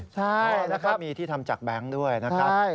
ใช่นะครับมีที่ทำจากแบงค์ด้วยนะครับ